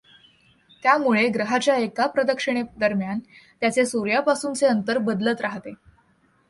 त्यामुळे ग्रहाच्या एका प्रदक्षिणेदरम्यान त्याचे सूर्यापासूनचे अंतर बदलत राहते.